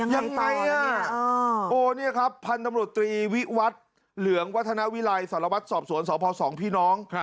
ยังไงต่อแล้วเนี่ยโอ้เนี่ยครับพันธมตรวจตรีวิวัฒน์เหลืองวัฒนาวิลัยสารวัฒน์สอบสวนสภ๒พี่น้อง